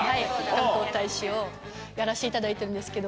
観光大使をやらせていただいてるんですけど。